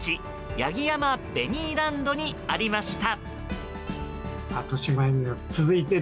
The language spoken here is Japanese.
八木山ベニーランドにありました。